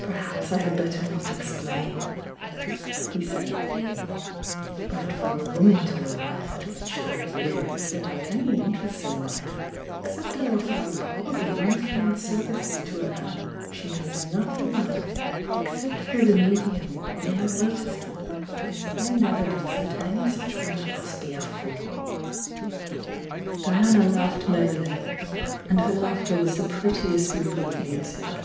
'Perhaps I had better not explain !" he said. "But for a woman to arrive at 'mature years' without any interests in life except to offer her probably untrained s^^rvices to a man she knows nothing of except through the medium of an advertisement is plam evidence that any such woman must be a 10 146 THE YOUNG DIANA Diana laughed merrily — and her laughter was the prettiest ripple of music.